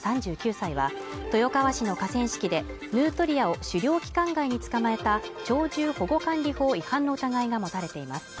３９歳は豊川市の河川敷でヌートリアを狩猟期間外に捕まえた鳥獣保護管理法違反の疑いが持たれています